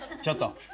ちょっと！